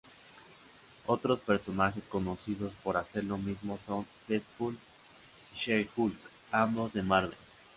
Otros personajes conocidos por hacer lo mismo son Deadpool y She-Hulk, ambos de Marvel.